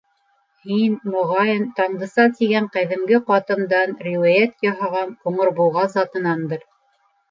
Һин, моғайын, Тандыса тигән ҡәҙимге ҡатындан, риүәйәт яһаған Ҡуңыр буға затынандыр.